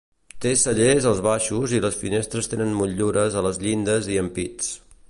Té cellers als baixos i les finestres tenen motllures a les llindes i ampits.